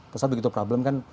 pesawat begitu problem kan